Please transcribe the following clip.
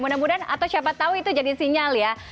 mudah mudahan atau siapa tahu itu jadi sinyal ya